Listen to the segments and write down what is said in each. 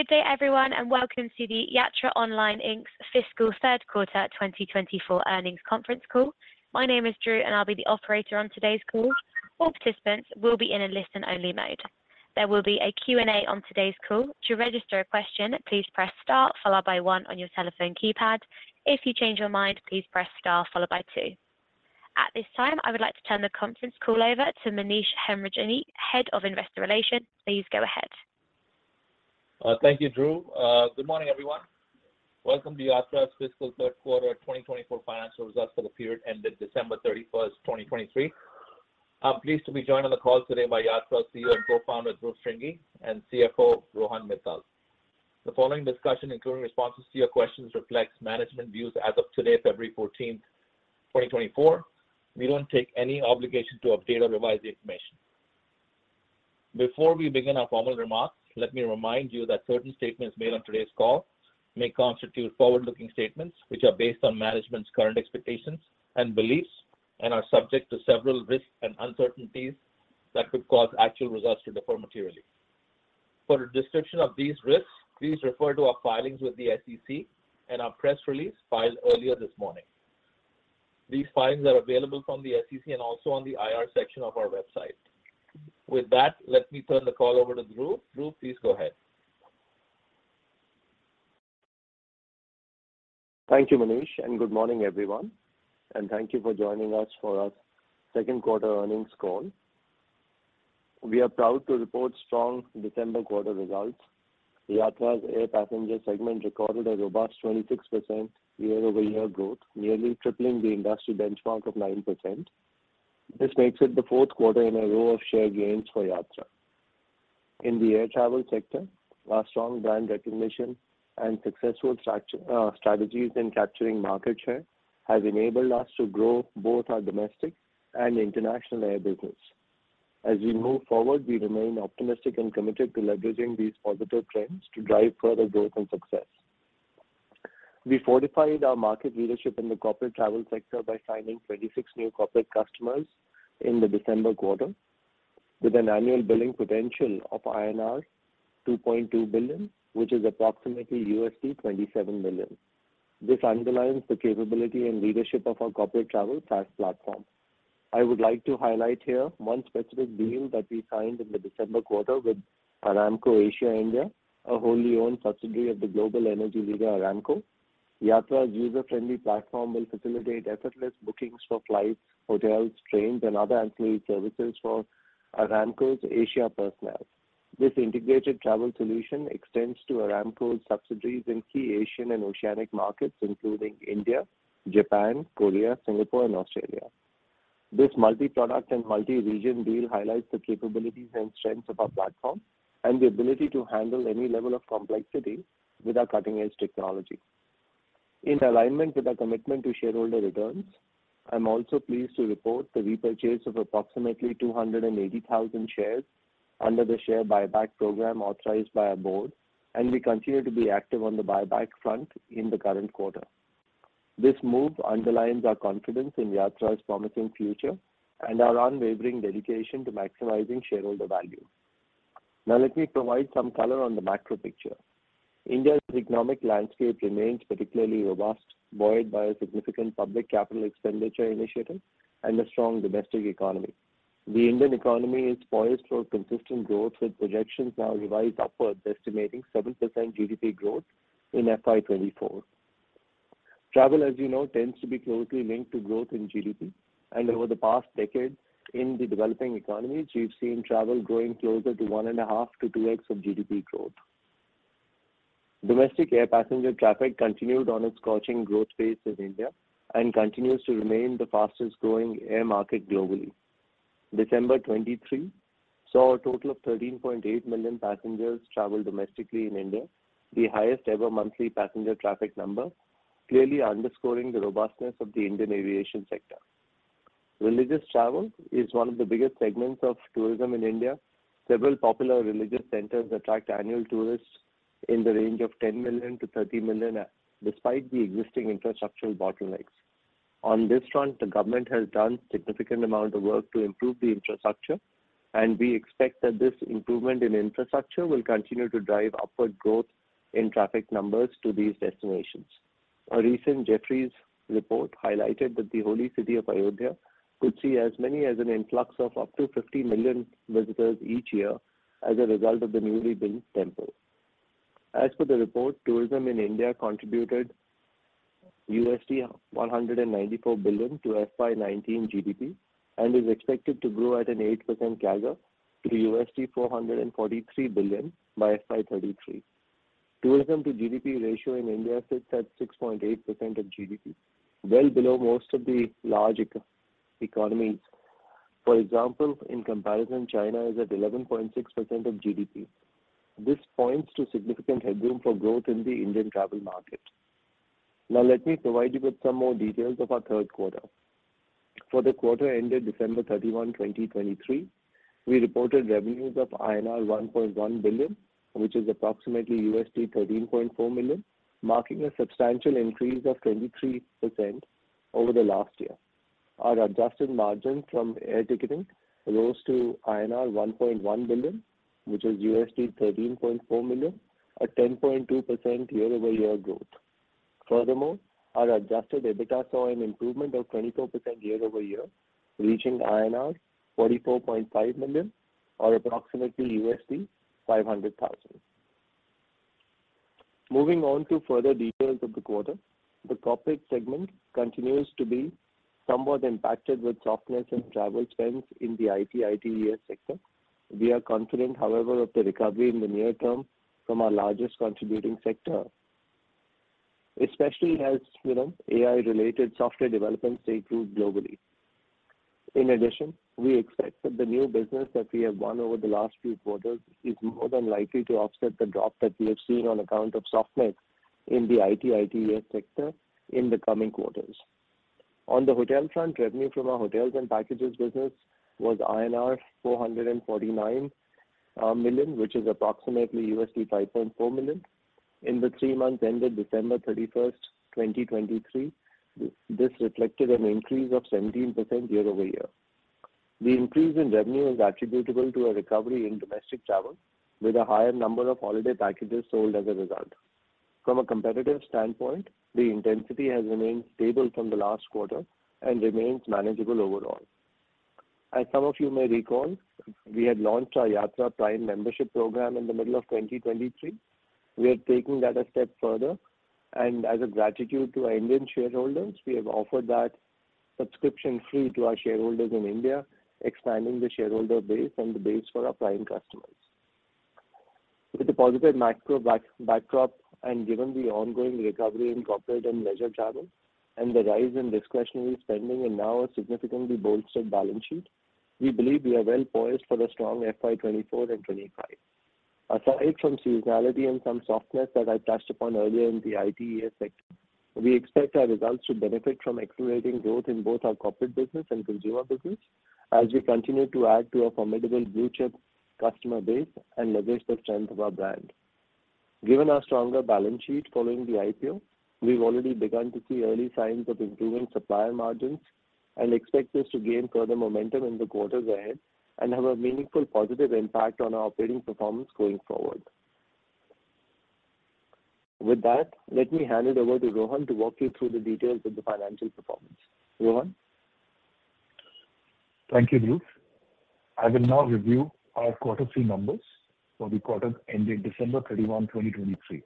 Good day, everyone, and welcome to the Yatra Online, Inc.'s Fiscal Q3 2024 Earnings Conference Call. My name is Drew, and I'll be the operator on today's call. All participants will be in a listen-only mode. There will be a Q&A on today's call. To register a question, please press star followed by one on your telephone keypad. If you change your mind, please press star followed by two. At this time, I would like to turn the conference call over to Manish Hemrajani, Head of Investor Relations. Please go ahead. Thank you, Drew. Good morning, everyone. Welcome to Yatra's fiscal third quarter 2024 financial results for the period ended 31 December 2023. I'm pleased to be joined on the call today by Yatra CEO and Co-Founder, Dhruv Shringi, and CFO, Rohan Mittal. The following discussion, including responses to your questions, reflects management views as of today, 14 February, 2024. We don't take any obligation to update or revise the information. Before we begin our formal remarks, let me remind you that certain statements made on today's call may constitute forward-looking statements, which are based on management's current expectations and beliefs and are subject to several risks and uncertainties that could cause actual results to differ materially. For a description of these risks, please refer to our filings with the SEC and our press release filed earlier this morning. These filings are available from the SEC and also on the IR section of our website. With that, let me turn the call over to Dhruv. Dhruv, please go ahead. Thank you, Manish, and good morning, everyone, and thank you for joining us for our Q2 Earnings Call. We are proud to report strong Q4 results. Yatra's air passenger segment recorded a robust 26% year-over-year growth, nearly tripling the industry benchmark of 9%. This makes it the Q4 in a row of share gains for Yatra. In the air travel sector, our strong brand recognition and successful strategies in capturing market share has enabled us to grow both our domestic and international air business. As we move forward, we remain optimistic and committed to leveraging these positive trends to drive further growth and success. We fortified our market leadership in the corporate travel sector by signing 26 new corporate customers in the Q4, with an annual billing potential of INR 2.2 billion, which is approximately $27 million. This underlines the capability and leadership of our corporate travel SaaS platform. I would like to highlight here one specific deal that we signed in the Q4 with Aramco Asia India, a wholly-owned subsidiary of the global energy leader, Aramco. Yatra's user-friendly platform will facilitate effortless bookings for flights, hotels, trains, and other ancillary services for Aramco's Asia personnel. This integrated travel solution extends to Aramco's subsidiaries in key Asian and Oceanic markets, including India, Japan, Korea, Singapore, and Australia. This multi-product and multi-region deal highlights the capabilities and strengths of our platform and the ability to handle any level of complexity with our cutting-edge technology. In alignment with our commitment to shareholder returns, I'm also pleased to report the repurchase of approximately 280,000 shares under the share buyback program authorized by our board, and we continue to be active on the buyback front in the current quarter. This move underlines our confidence in Yatra's promising future and our unwavering dedication to maximizing shareholder value. Now, let me provide some color on the macro picture. India's economic landscape remains particularly robust, buoyed by a significant public capital expenditure initiative and a strong domestic economy. The Indian economy is poised for consistent growth, with projections now revised upwards, estimating 7% GDP growth in FY 2024. Travel, as you know, tends to be closely linked to growth in GDP, and over the past decade in the developing economies, we've seen travel growing closer to 1.5-2x of GDP growth. Domestic air passenger traffic continued on its scorching growth pace in India and continues to remain the fastest-growing air market globally. December 2023 saw a total of 13.8 million passengers travel domestically in India, the highest-ever monthly passenger traffic number, clearly underscoring the robustness of the Indian aviation sector. Religious travel is one of the biggest segments of tourism in India. Several popular religious centers attract annual tourists in the range of 10 million-30 million, despite the existing infrastructural bottlenecks. On this front, the government has done significant amount of work to improve the infrastructure, and we expect that this improvement in infrastructure will continue to drive upward growth in traffic numbers to these destinations. A recent Jefferies report highlighted that the holy city of Ayodhya could see as many as an influx of up to 50 million visitors each year as a result of the newly built temple. As per the report, tourism in India contributed $194 billion to FY 2019 GDP and is expected to grow at an 8% CAGR to $443 billion by FY 2033. Tourism to GDP ratio in India sits at 6.8% of GDP, well below most of the large economies. For example, in comparison, China is at 11.6% of GDP. This points to significant headroom for growth in the Indian travel market. Now, let me provide you with some more details of our Q3. For the Q4, 2023, we reported revenues of INR 1.1 billion, which is approximately $13.4 million, marking a substantial increase of 23% over the last year. Our adjusted margin from air ticketing rose to INR 1.1 billion, which is $13.4 million, a 10.2% year-over-year growth. Furthermore, our adjusted EBITDA saw an improvement of 24% year-over-year, reaching 44.5 million or approximately $500,000. Moving on to further details of the quarter, the corporate segment continues to be somewhat impacted with softness in travel spends in the IT/ITES sector. We are confident, however, of the recovery in the near term from our largest contributing sector, especially as, you know, AI-related software developments take root globally. In addition, we expect that the new business that we have won over the last few quarters is more than likely to offset the drop that we have seen on account of softness in the IT/ITES sector in the coming quarters. On the hotel front, revenue from our hotels and packages business was INR 449 million, which is approximately $5.4 million. In the three months ended December 31, 2023, this reflected an increase of 17% year-over-year. The increase in revenue is attributable to a recovery in domestic travel, with a higher number of holiday packages sold as a result. From a competitive standpoint, the intensity has remained stable from the last quarter and remains manageable overall. As some of you may recall, we had launched our Yatra Prime membership program in the middle of 2023. We are taking that a step further, and as a gratitude to our Indian shareholders, we have offered that subscription free to our shareholders in India, expanding the shareholder base and the base for our Prime customers. With a positive macro backdrop and given the ongoing recovery in corporate and leisure travel and the rise in discretionary spending, and now a significantly bolstered balance sheet, we believe we are well poised for the strong FY 2024 and 2025. Aside from seasonality and some softness that I touched upon earlier in the IT/ITES sector, we expect our results to benefit from accelerating growth in both our corporate business and consumer business as we continue to add to our formidable blue-chip customer base and leverage the strength of our brand. Given our stronger balance sheet following the IPO, we've already begun to see early signs of improving supplier margins and expect this to gain further momentum in the quarters ahead and have a meaningful positive impact on our operating performance going forward. With that, let me hand it over to Rohan to walk you through the details of the financial performance. Rohan? Thank you, Dhruv. I will now review our quarter three numbers for the Q4 2023.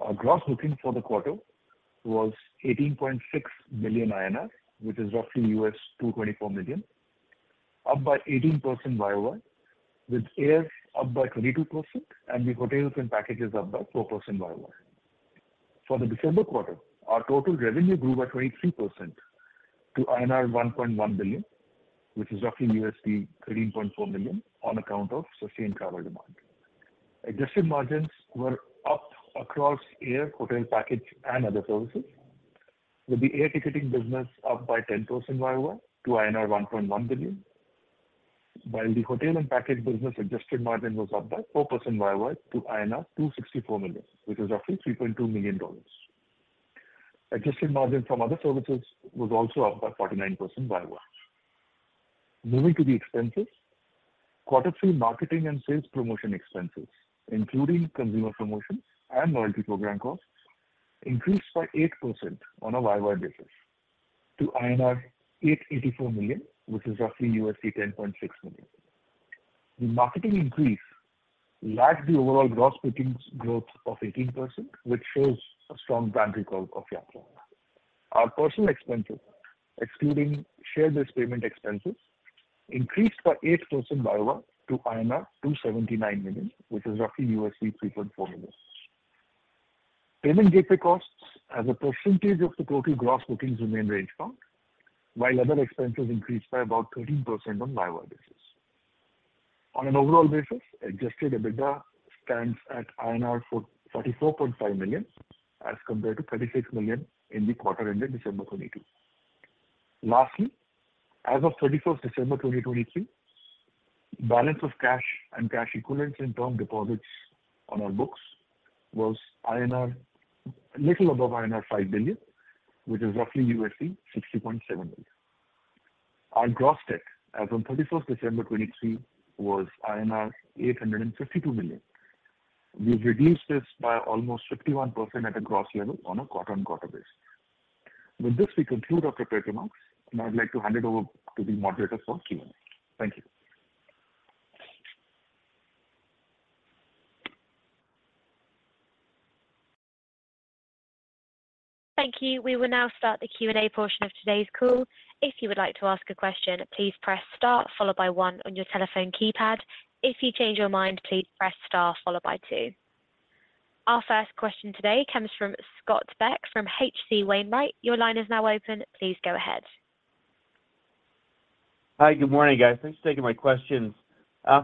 Our gross bookings for the quarter was 18.6 billion INR, which is roughly $224 million, up by 18% YOY, with air up by 22% and the hotels and packages up by 4% YOY. For the Q4, our total revenue grew by 23% to INR 1.1 billion, which is roughly $13.4 million, on account of sustained travel demand. Adjusted margins were up across air, hotel, package, and other services, with the air ticketing business up by 10% YOY to INR 1.1 billion. While the hotel and package business adjusted margin was up by 4% YOY to INR 264 million, which is roughly $3.2 million. Adjusted margin from other services was also up by 49% YOY. Moving to the expenses, Q3 marketing and sales promotion expenses, including consumer promotions and loyalty program costs, increased by 8% on a YOY basis to INR 884 million, which is roughly $10.6 million. The marketing increase lagged the overall gross bookings growth of 18%, which shows a strong brand recall of Yatra. Our personnel expenses, excluding share-based payment expenses, increased by 8% YOY to INR 279 million, which is roughly $3.4 million. Payment gateway costs as a percentage of the total gross bookings remained range-bound, while other expenses increased by about 13% on YOY basis. On an overall basis, adjusted EBITDA stands at INR 44.5 million, as compared to 36 million in the quarter ended December 2022. Lastly, as of thirty-first December 2023, balance of cash and cash equivalents and term deposits on our books was INR a little above INR 5 billion, which is roughly $60.7 illion. Our gross debt as on thirty-first December 2023 was INR 852 million. We've reduced this by almost 51% at a gross level on a quarter-on-quarter basis. With this, we conclude our prepared remarks, and I'd like to hand it over to the moderator for Q&A. Thank you. Thank you. We will now start the Q&A portion of today's call. If you would like to ask a question, please press star followed by one on your telephone keypad. If you change your mind, please press star followed by two. Our first question today comes from Scott Buck from H.C. Wainwright. Your line is now open. Please go ahead. Hi, good morning, guys. Thanks for taking my questions.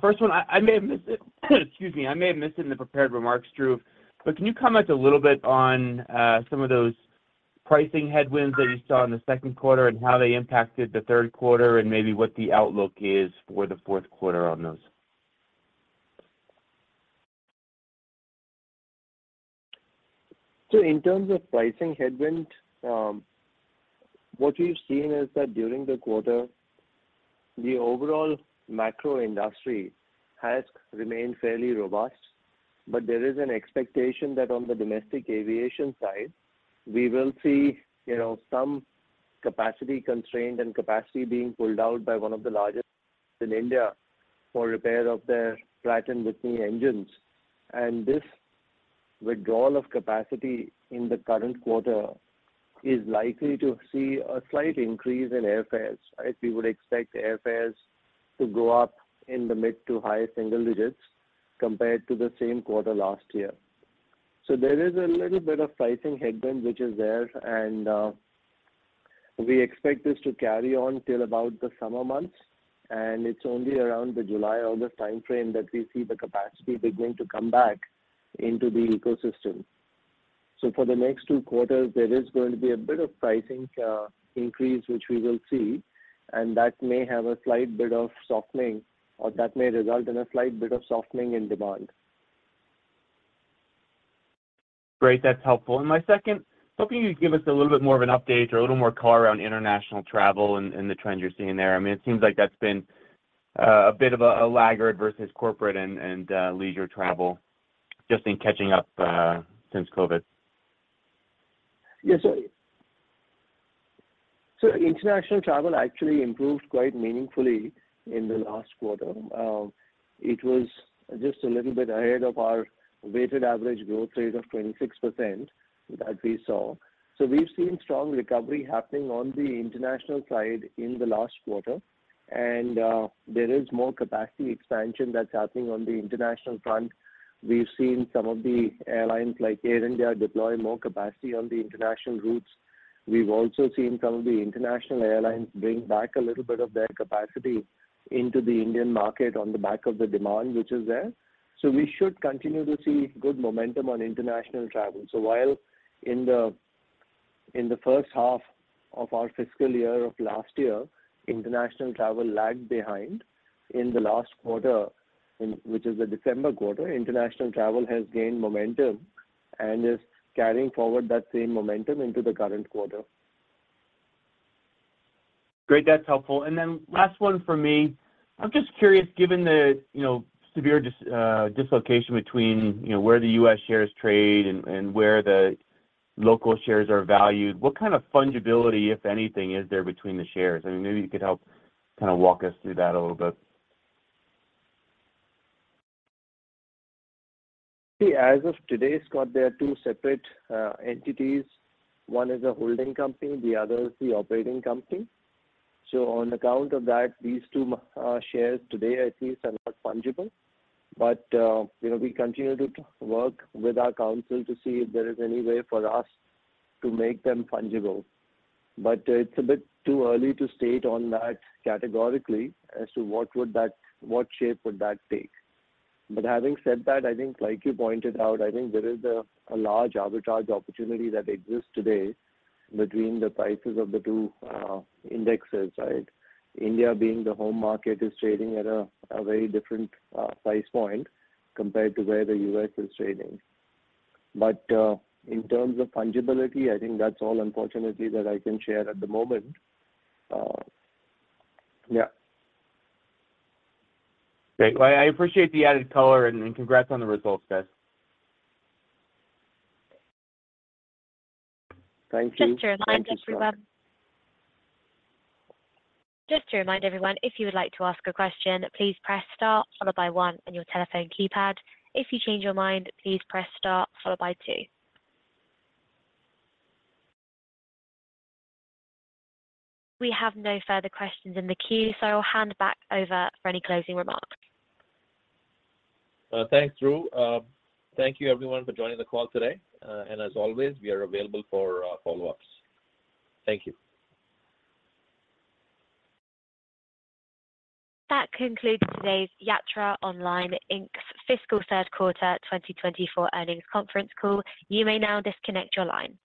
First one, I may have missed it, excuse me. I may have missed it in the prepared remarks, Dhruv, but can you comment a little bit on some of those pricing headwinds that you saw in the Q2 and how they impacted the Q3, and maybe what the outlook is for the Q4 on those? So in terms of pricing headwind, what we've seen is that during the quarter, the overall macro industry has remained fairly robust. But there is an expectation that on the domestic aviation side, we will see, you know, some capacity constrained and capacity being pulled out by one of the largest in India for repair of their Pratt & Whitney engines. This withdrawal of capacity in the current quarter is likely to see a slight increase in airfares, right? We would expect airfares to go up in the mid- to high-single digits compared to the same quarter last year. There is a little bit of pricing headwind, which is there, and we expect this to carry on till about the summer months, and it's only around the July, August time frame that we see the capacity beginning to come back into the ecosystem. For the next two quarters, there is going to be a bit of pricing increase, which we will see, and that may have a slight bit of softening or that may result in a slight bit of softening in demand. Great, that's helpful. And my second, hoping you could give us a little bit more of an update or a little more color around international travel and the trends you're seeing there. I mean, it seems like that's been a bit of a laggard versus corporate and leisure travel, just in catching up since COVID. Yes. So international travel actually improved quite meaningfully in the last quarter. It was just a little bit ahead of our weighted average growth rate of 26% that we saw. So we've seen strong recovery happening on the international side in the last quarter, and there is more capacity expansion that's happening on the international front. We've seen some of the airlines, like Air India, deploy more capacity on the international routes. We've also seen some of the international airlines bring back a little bit of their capacity into the Indian market on the back of the demand, which is there. So we should continue to see good momentum on international travel. So while in the first half of our fiscal year of last year, international travel lagged behind. In the last quarter, in which is the Q4, international travel has gained momentum and is carrying forward that same momentum into the current quarter. Great. That's helpful. Then last one for me. I'm just curious, given the, you know, severe dislocation between, you know, where the U.S. shares trade and where the local shares are valued, what kind of fungibility, if anything, is there between the shares? I mean, maybe you could help kind of walk us through that a little bit. As of today, Scott, they are two separate entities. One is a holding company, the other is the operating company. So on account of that, these two shares today, I think, are not fungible. But you know, we continue to work with our counsel to see if there is any way for us to make them fungible. But it's a bit too early to state on that categorically as to what would that... what shape would that take. But having said that, I think like you pointed out, I think there is a large arbitrage opportunity that exists today between the prices of the two indexes, right? India, being the home market, is trading at a very different price point compared to where the U.S. is trading. But, in terms of fungibility, I think that's all, unfortunately, that I can share at the moment. Yeah. Great. Well, I appreciate the added color and congrats on the results, guys. Thank you. Just to remind everyone, if you would like to ask a question, please press Star followed by One on your telephone keypad. If you change your mind, please press Star followed by Two. We have no further questions in the queue, so I'll hand back over for any closing remarks. Thanks, Drew. Thank you everyone for joining the call today, and as always, we are available for follow-ups. Thank you. That concludes today's Yatra Online, Inc.'s Fiscal Q3 2024 Earnings Conference Call. You may now disconnect your line.